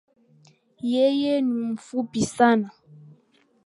Yeye ni mfupi sana